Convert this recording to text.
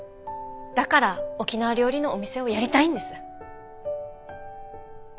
だから沖縄料理のお店をやりたいんです。